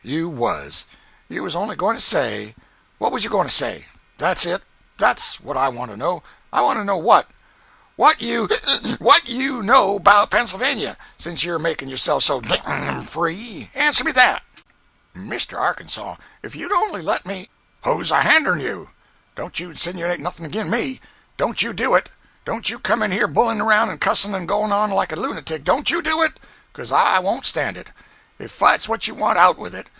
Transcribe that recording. You was! You was only goin' to say—what was you goin' to say? That's it! That's what I want to know. I want to know wha what you ('ic) what you know about Pennsylvania, since you're makin' yourself so d— d free. Answer me that!" "Mr. Arkansas, if you'd only let me—" 222.jpg (55K) "Who's a henderin' you? Don't you insinuate nothing agin me!—don't you do it. Don't you come in here bullyin' around, and cussin' and goin' on like a lunatic—don't you do it. 'Coz I won't stand it. If fight's what you want, out with it!